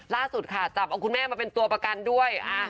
ล่าสุดค่ะจับเอาคุณแม่มาเป็นตัวประกันด้วย